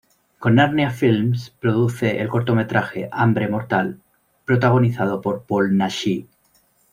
Con Narnia Films produce el cortometraje "Hambre mortal", protagonizado por Paul Naschy.